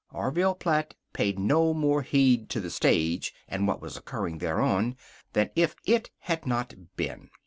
Orville Platt paid no more heed to the stage, and what was occurring thereon, than if it had not been.